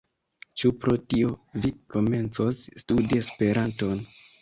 Ĉu pro tio, vi komencos studi Esperanton?